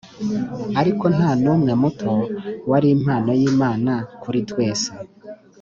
ariko ntanumwe-muto wari impano y’imana kuri twese.